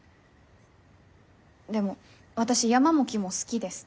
でも私山も木も好きです。